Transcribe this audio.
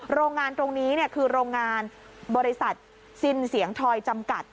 โรงงานตรงนี้คือโรงงานบริษัทซินเสียงทอยจำกัด